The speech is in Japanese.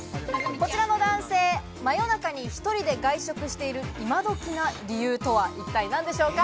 こちらの男性、真夜中に１人で外食しているイマドキな理由とは一体何でしょうか。